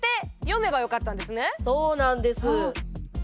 そうなんです。